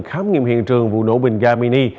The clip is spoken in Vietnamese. khám nghiệm hiện trường vụ nổ bình gabini